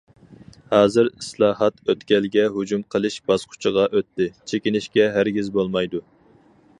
ھازىر، ئىسلاھات ئۆتكەلگە ھۇجۇم قىلىش باسقۇچىغا ئۆتتى، چېكىنىشكە ھەرگىز بولمايدۇ.